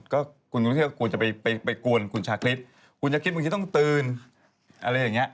ก็คุณกรุงเทพก็ควรจะไปกวนคุณชาคริสคุณชาคริสบางทีต้องตื่นอะไรอย่างเงี้